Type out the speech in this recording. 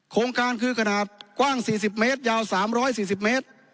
โครงการคือกระดาษกว้างสี่สิบเมตรยาวสามร้อยสี่สิบเมตร